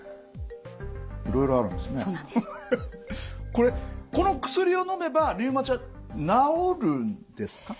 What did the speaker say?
これこの薬をのめばリウマチは治るんですか？